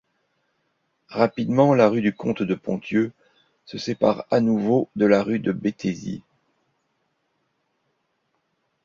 Rapidement, la rue du Comte-de-Ponthieu se sépare à nouveau de la rue de Béthisy.